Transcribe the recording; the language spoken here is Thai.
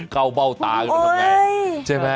เขาเบ้าตากันทำไง